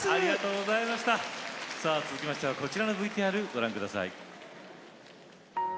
続いてはこちらのＶＴＲをご覧ください。